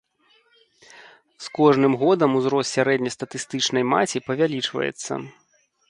З кожным годам узрост сярэднестатыстычнай маці павялічваецца.